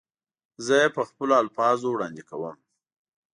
زه یې په خپلو الفاظو وړاندې کوم.